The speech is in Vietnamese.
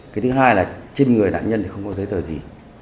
cái thứ hai là trên người nạn nhân thì không có giấy tờ gì